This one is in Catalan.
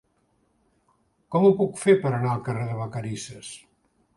Com ho puc fer per anar al carrer de Vacarisses?